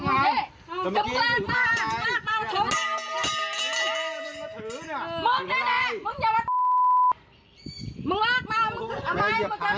สายแบบนี้ไปเดี๋ยวกูก็เอาคลิปที่มึงให้